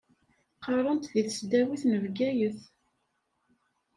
Qqaṛent di tesdawit n Bgayet.